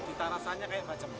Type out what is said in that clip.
bercita rasanya kayak bacem